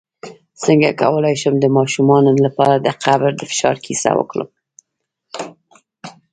څنګه کولی شم د ماشومانو لپاره د قبر د فشار کیسه وکړم